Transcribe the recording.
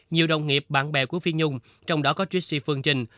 nhiều đồng nghiệp bạn bè của phi nhung trong đó có tristi phương trinh